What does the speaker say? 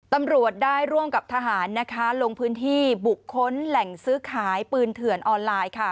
ตำรวจได้ร่วมกับทหารนะคะลงพื้นที่บุกค้นแหล่งซื้อขายปืนเถื่อนออนไลน์ค่ะ